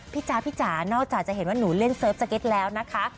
จ๊ะพี่จ๋านอกจากจะเห็นว่าหนูเล่นเซิร์ฟสเก็ตแล้วนะคะ